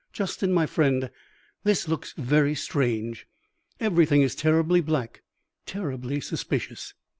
"Justin, my friend, this looks very strange. Everything is terribly black, terribly suspicious."